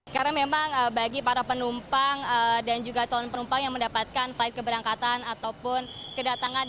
karena memang bagi para penumpang dan juga calon penumpang yang mendapatkan flight keberangkatan ataupun kedatangan